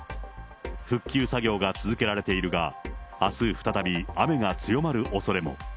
復旧作業が続けられているが、あす再び雨が強まるおそれも。